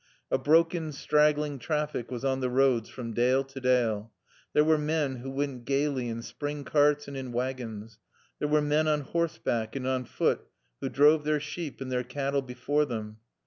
A broken, straggling traffic was on the roads from dale to dale. There were men who went gaily in spring carts and in wagons. There were men on horseback and on foot who drove their sheep and their cattle before them.